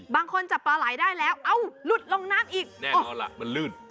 บางคนจับปลาไหลได้แล้วเอ้าหลุดลงน้ำอีกแน่นอนล่ะมันลื่น